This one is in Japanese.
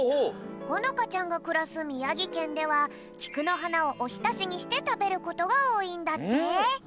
ほのかちゃんがくらすみやぎけんではきくのはなをおひたしにしてたべることがおおいんだって。